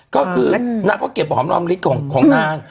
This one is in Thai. ก็คือนางก็เก็บหอมรอมลิตรของนาง